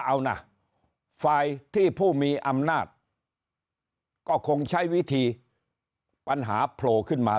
เอานะฝ่ายที่ผู้มีอำนาจก็คงใช้วิธีปัญหาโผล่ขึ้นมา